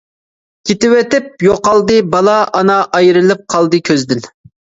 كېتىۋېتىپ يوقالدى بالا ئانا ئايرىلىپ قالدى كۆزىدىن.